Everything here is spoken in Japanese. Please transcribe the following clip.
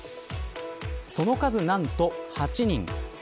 その数なんと８人。